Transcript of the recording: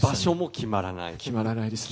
決まらないですね。